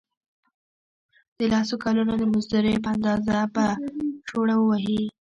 د لسو کلونو د مزدورۍ په اندازه به شوړه ووهي.